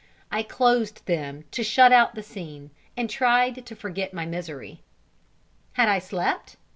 I closed them to shut out the scene, and tried to forget my misery. Had I slept?